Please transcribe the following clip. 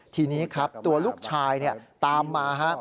ทีนี้ครับตัวลูกชายตามมาฮะ